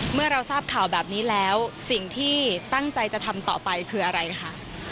เมื่อเราทราบข่าวแบบนี้แล้วสิ่งที่ตั้งใจจะทำต่อไปคืออะไรคะ